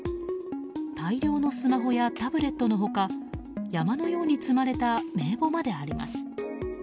大量のスマホやタブレットの他山のように積まれた名簿まであります。